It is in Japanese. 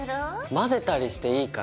混ぜたりしていいかな？